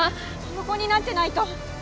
横になってないと！